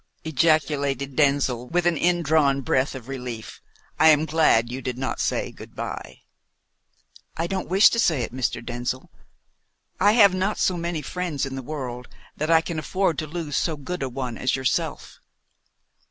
ejaculated Denzil, with an indrawn breath of relief, "I am glad you did not say good bye." "I don't wish to say it, Mr. Denzil. I have not so many friends in the world that I can afford to lose so good a one as yourself."